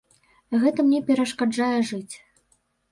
Гэта мне перашкаджае жыць.